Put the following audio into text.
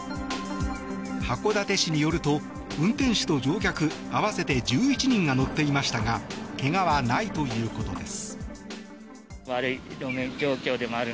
函館市によると運転士と乗客、合わせて１１人が乗っていましたがけがはないということです。